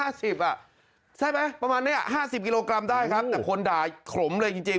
ใช่ไหมประมาณนี้๕๐กิโลกรัมได้ครับแต่คนด่าขรมเลยจริง